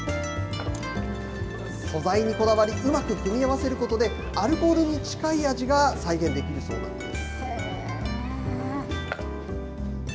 素材にこだわり、うまく組み合わせることで、アルコールに近い味が再現できるそうなんです。